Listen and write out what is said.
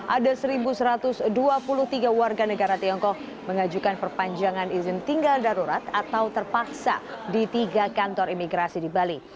ada satu satu ratus dua puluh tiga warga negara tiongkok mengajukan perpanjangan izin tinggal darurat atau terpaksa di tiga kantor imigrasi di bali